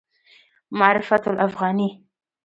معرفت الافغاني